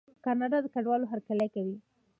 کاناډا د کډوالو هرکلی کوي.